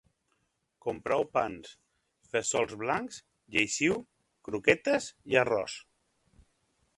Comprau pans, fesols blancs, lleixiu, croquetes i arròs